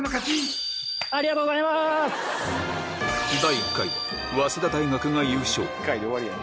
第１回は早稲田大学が優勝